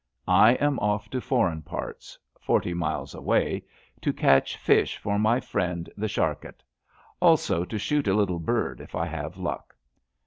I am off to foreign parts— forty miles away — to catch fish for my friend the char cat; also to shoot a little bird if I have luck.